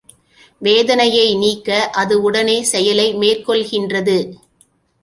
வேதனையை நீக்க அது உடனே செயலை மேற்கொள்கின்றது.